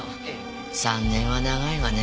３年は長いわね。